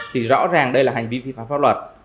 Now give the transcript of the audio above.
thì rõ ràng đây là hành vi vi phạm pháp luật